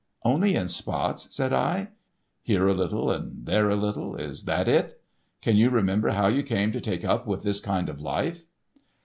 "Only in spots?" said I; "here a little and there a little—is that it? Can you remember how you came to take up with this kind of life?"